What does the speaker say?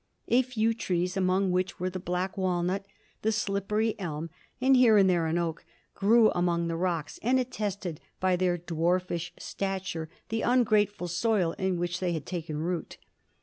A few trees, among which were the black walnut, the slippery elm, and here and there an oak, grew among the rocks, and attested by their dwarfish stature the ungrateful soil in which they had taken root.